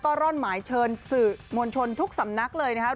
ก็ร่อนหมายเชิญสื่อมวลชนทุกสำนักเลยนะครับ